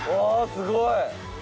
すごい。